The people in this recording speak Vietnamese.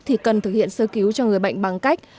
thì cần thực hiện sơ cứu cho người bệnh bằng cách